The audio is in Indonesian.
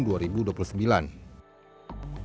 pembangunan sarana parasarana alusista